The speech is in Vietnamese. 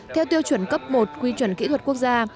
theo tiêu chuẩn cấp một quy chuẩn kỹ thuật quốc gia